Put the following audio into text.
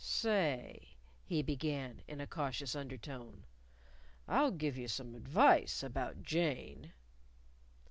"Say!" he began in a cautious undertone: "I'll give you some advice about Jane."